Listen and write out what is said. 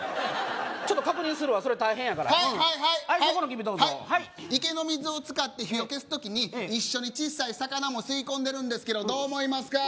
ちょっと確認するわそれ大変やからはいはいはいはいはいはいそこの君どうぞ池の水を使って火を消す時に一緒にちっさい魚も吸い込んでるんですけどどう思いますか？